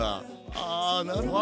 あなるほどね。